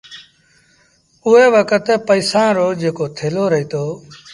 اُئي وٽ پئيسآݩ رو جيڪو ٿيلو رهيٚتو